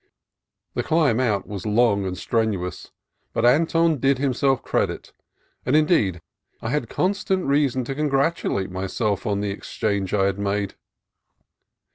The climb out was long and strenuous, but Anton did himself credit, and, indeed, I had constant rea son to congratulate myself on the exchange I had made.